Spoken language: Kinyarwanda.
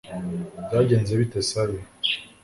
byagenze bite, sally